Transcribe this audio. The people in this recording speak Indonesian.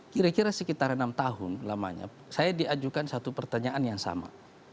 kira kira sekitar enam tahun lamanya saya diajukan satu pertanyaan yang sama